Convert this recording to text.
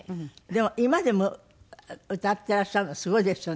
でも今でも歌っていらっしゃるのすごいですよね。